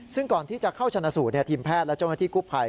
ซึ่งก่อนที่จะเข้าชนะสูตรทีมแพทย์และเจ้าหน้าที่กู้ภัย